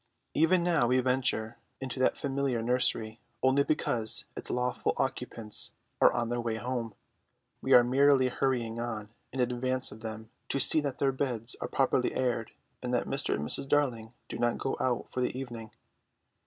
Even now we venture into that familiar nursery only because its lawful occupants are on their way home; we are merely hurrying on in advance of them to see that their beds are properly aired and that Mr. and Mrs. Darling do not go out for the evening.